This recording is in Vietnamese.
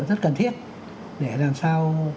rất cần thiết để làm sao